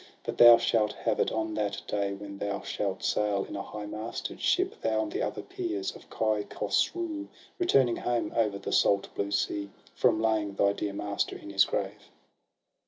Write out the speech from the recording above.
but thou shalt have it on that day. When thou shalt sail in a high masted ship. Thou and the other peers of Kai Khosroo, Returning home over the salt blue sea, From laying thy dear master in his grave.'